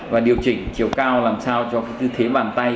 và điều chỉnh chiều cao làm sao cho cái tư thế bàn tay